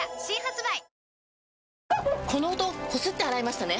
この音こすって洗いましたね？